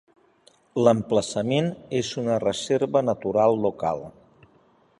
L"emplaçament és una reserva natural local.